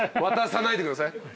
渡さないでください。